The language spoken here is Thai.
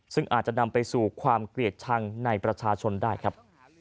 ซึ่งอาจจะนำไปสู่ความเกลียดชังในประชาชนได้ครับ